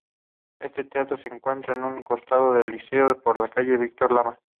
Este teatro se encuentra a un costado del Liceo, por la calle Victor Lamas.